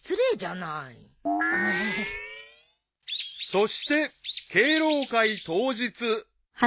［そして敬老会当日］